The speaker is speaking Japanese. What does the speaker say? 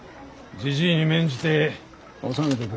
じじいに免じて収めてくれ。